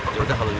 yaudah kalau gitu